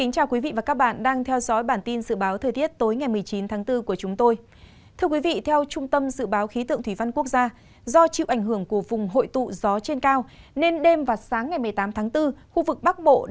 các bạn hãy đăng ký kênh để ủng hộ kênh của chúng mình nhé